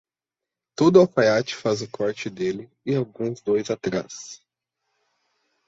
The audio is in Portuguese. Todo alfaiate faz o corte dele e alguns dois atrás.